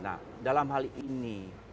nah dalam hal ini